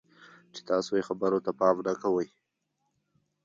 چې تاسې یې خبرو ته پام نه کوئ.